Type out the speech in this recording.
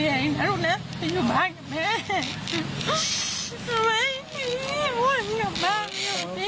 เรายังยาวไกล